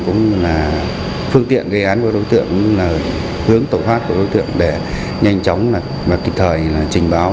cũng là phương tiện gây án của đối tượng hướng tổng phát của đối tượng để nhanh chóng và kịp thời trình báo